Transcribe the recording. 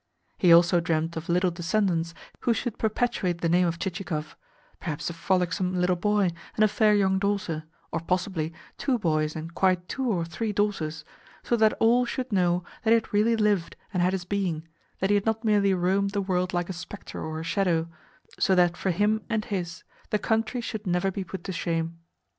He also dreamed of little descendants who should perpetuate the name of Chichikov; perhaps a frolicsome little boy and a fair young daughter, or possibly, two boys and quite two or three daughters; so that all should know that he had really lived and had his being, that he had not merely roamed the world like a spectre or a shadow; so that for him and his the country should never be put to shame.